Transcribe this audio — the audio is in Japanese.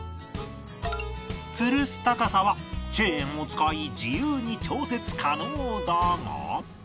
つるす高さはチェーンを使い自由に調節可能だが